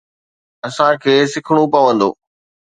اسان کي سکڻو پوندو.